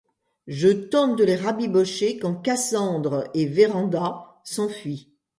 Je tente de les rabibocher quand Cassandre et Vérand’a s’enfuient…